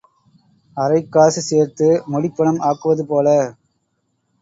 அரைக் காசு சேர்த்து முடிப்பணம் ஆக்குவது போல.